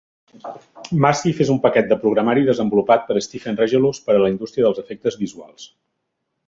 "Massive" és un paquet de programari desenvolupat per Stephen Regelous per a la indústria dels efectes visuals.